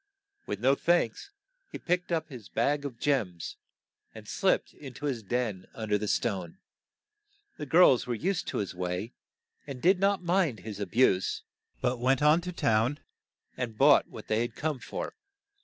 With no thanks, he picked up his bag of gems, and slipped in to his den un der the stone. The girls were used to his way, and did not mind his a buse. but went on to town and bought what they had come for.